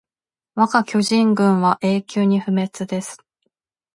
わが巨人軍は永久に不滅です